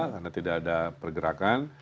karena tidak ada pergerakan